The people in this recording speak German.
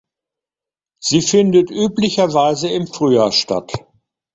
Sie findet üblicherweise im Frühjahr statt.